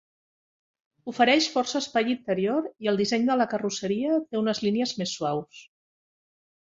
Ofereix força espai interior i el disseny de la carrosseria té unes línies més suaus.